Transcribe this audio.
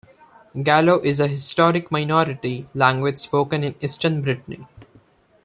Gallo is a historic minority language spoken in eastern Brittany.